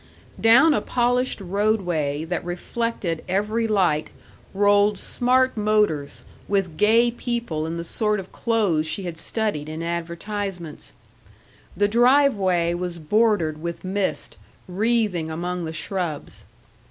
Down a polished roadway that reflected every light rolled smart motors, with gay people in the sort of clothes she had studied in advertisements. The driveway was bordered with mist wreathing among the shrubs.